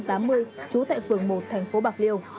trú tại phường một thành phố bạc liêu